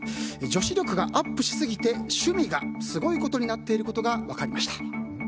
女子力がアップしすぎて趣味がすごいことになっていることが分かりました。